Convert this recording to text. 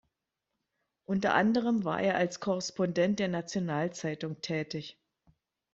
Unter anderem war er als Korrespondent der Nationalzeitung tätig.